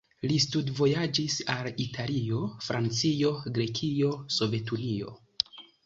Li studvojaĝis al Italio, Francio, Grekio, Sovetunio.